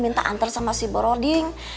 minta antar sama si boroding